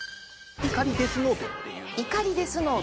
怒りデスノート？